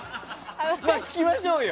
まあ、聞きましょうよ！